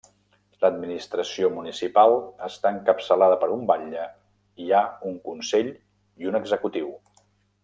L'administració municipal està encapçalada per un batlle i hi ha un consell i un executiu.